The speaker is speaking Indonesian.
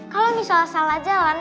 kalau misalnya salah jalan